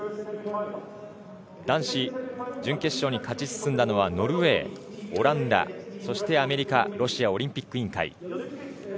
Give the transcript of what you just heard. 男子準決勝に勝ち進んだのはノルウェーオランダ、そしてアメリカロシアオリンピック委員会。